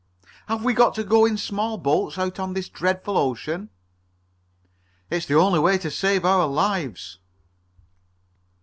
"Have we got to go in small boats out on this dreadful ocean?" "It's the only way to save our lives."